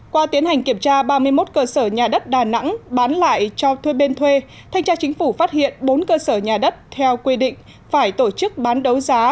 qua tiến hành kiểm tra ba mươi một cơ sở nhà đất đà nẵng bán lại cho thuê bên thuê thanh tra chính phủ phát hiện bốn cơ sở nhà đất theo quy định phải tổ chức bán đấu giá